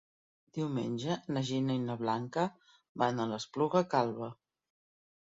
Diumenge na Gina i na Blanca van a l'Espluga Calba.